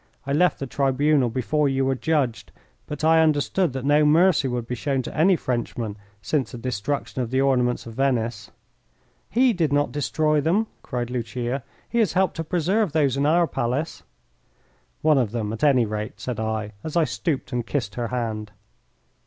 I left the tribunal before you were judged, but I understood that no mercy would be shown to any Frenchman since the destruction of the ornaments of Venice." "He did not destroy them," cried Lucia. "He has helped to preserve those in our palace." "One of them, at any rate," said I, as I stooped and kissed her hand.